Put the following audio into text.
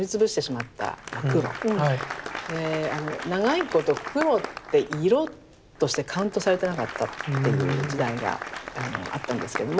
長いこと黒って色としてカウントされてなかったっていう時代があったんですけれども。